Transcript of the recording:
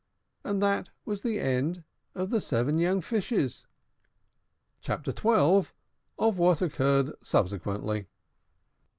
And that was the end of the seven young Fishes. CHAPTER XII. OF WHAT OCCURRED SUBSEQUENTLY.